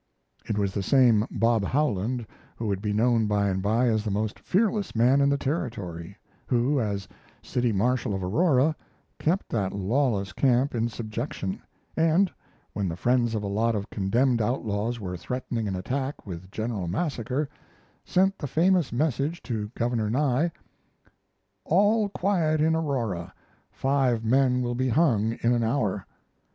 It was the same Bob Howland who would be known by and by as the most fearless man in the Territory; who, as city marshal of Aurora, kept that lawless camp in subjection, and, when the friends of a lot of condemned outlaws were threatening an attack with general massacre, sent the famous message to Governor Nye: "All quiet in Aurora. Five men will be hung in an hour."